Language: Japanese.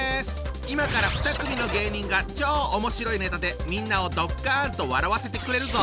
今から２組の芸人が超おもしろいネタでみんなをドッカンと笑わせてくれるぞ！